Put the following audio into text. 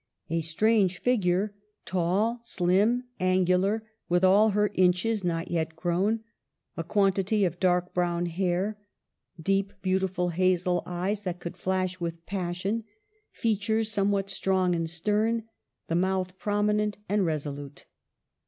A strange figure — tall, slim, angular, with all her inches not yet grown ; a quantity of dark brown hair, deep beautiful hazel eyes that could flash with passion, features somewhat strong and stern, the mouth prominent and resolute.